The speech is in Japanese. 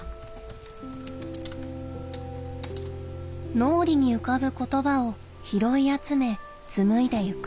脳裏に浮かぶ言葉を拾い集め紡いでいく。